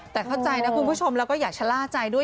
แต่เข้าใจนะคุณผู้ชมแล้วก็อย่าชะล่าใจด้วย